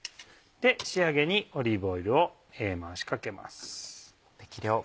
仕上げにオリーブオイルを回しかけます。